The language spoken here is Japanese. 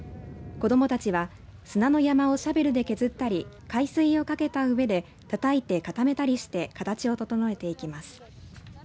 子どもたちは砂の山をシャベルで削ったり海水をかけたうえでたたいて固めたりして形を整えていきます。